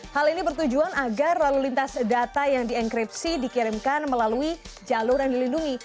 hal ini bertujuan agar lalu lintas data yang dienkripsi dikirimkan melalui jalur yang dilindungi